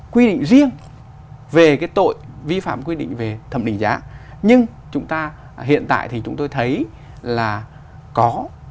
quy định riêng về cái tội vi phạm quy định về thẩm định giá nhưng chúng ta hiện tại thì chúng tôi thấy là có